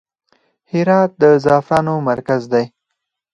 هرات د زعفرانو مرکز دی